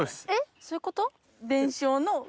そういうこと？